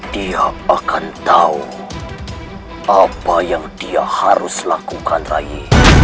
dia akan tahu apa yang dia harus lakukan ray